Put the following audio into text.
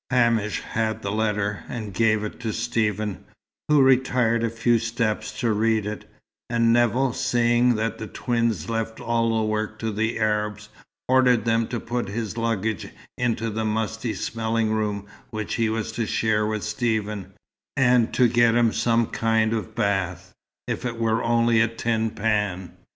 Hamish had the letter, and gave it to Stephen, who retired a few steps to read it, and Nevill, seeing that the twins left all work to the Arabs, ordered them to put his luggage into the musty smelling room which he was to share with Stephen, and to get him some kind of bath, if it were only a tin pan.